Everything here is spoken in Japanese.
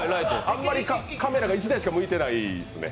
あまりカメラが１台しか向いてないですね。